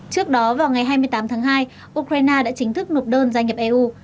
trước đó vào ngày hai mươi tám tháng hai ukraine đã chính thức nộp đơn gia nhập eu